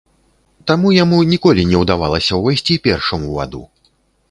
Таму яму ніколі не ўдавалася ўвайсці першым у ваду.